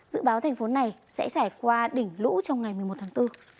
dự báo thành phố này sẽ trải qua đỉnh lũ trong ngày một mươi một tháng bốn